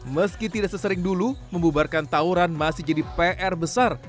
meski tidak sesering dulu membubarkan tawuran masih jadi pr besar